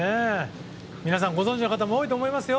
皆さんご存じの方も多いと思いますよ。